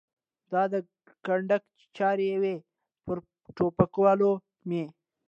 د ده کنډک چېرې و؟ پر ټوپکوالو مې.